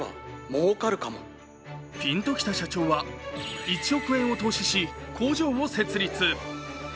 ピンときた社長は１億円を投資し工場を設立。